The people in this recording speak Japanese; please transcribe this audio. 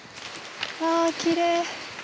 うわきれい。